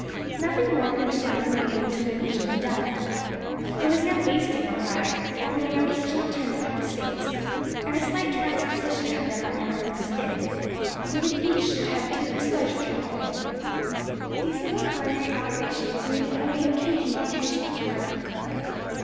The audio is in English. Nothing more could be done than wait until the meat should be done. There was no "basting" required, only an occasional turning of the steaks and a slight transposition of them on the harpoon spit, so that each should have due exposure to the flame. These little culinary operations needed only occasional attention on the part of the cook.